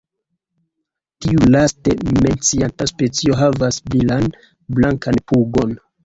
Tiu laste menciata specio havas brilan blankan pugon.